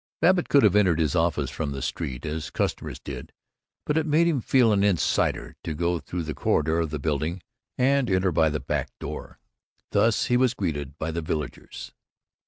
Babbitt could have entered his office from the street, as customers did, but it made him feel an insider to go through the corridor of the building and enter by the back door. Thus he was greeted by the villagers.